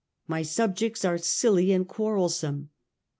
My subjects are silly and quarrelsome.